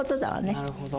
なるほど。